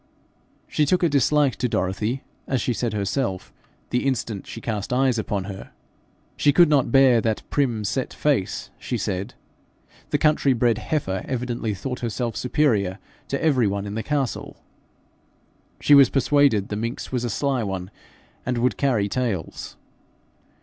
She took a dislike to Dorothy, as she said herself, the instant she cast her eyes upon her. She could not bear that prim, set face, she said. The country bred heifer evidently thought herself superior to every one in the castle. She was persuaded the minx was a sly one, and would carry tales.